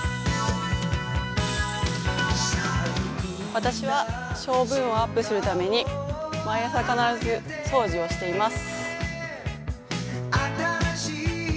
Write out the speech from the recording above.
私は勝負運をアップするために、毎朝必ず掃除をしています。